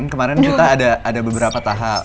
kemarin kita ada beberapa tahap